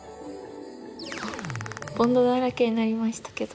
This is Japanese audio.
ボンドだらけになりましたけど。